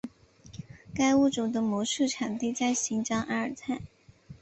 该物种的模式产地在新疆阿尔泰。